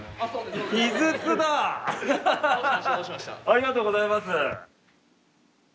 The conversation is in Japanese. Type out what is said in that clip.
ありがとうございます。